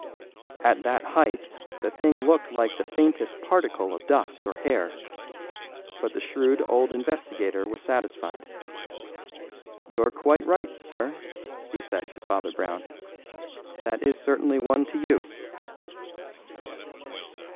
At that height the thing looked like the faintest particle of dust or hair, but the shrewd old investigator was satisfied. "You're quite right, sir," he said to Father Brown; "that is certainly one to you."